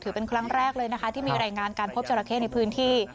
ครั้งแรกเลยนะคะที่มีรายงานการพบจราเข้ในพื้นที่